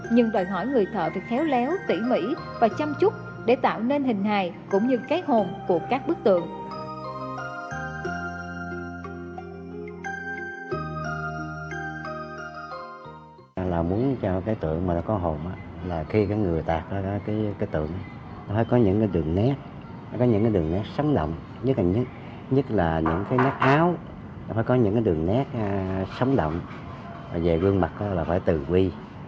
những nét áo phải có những đường nét sống động về gương mặt là phải từng quy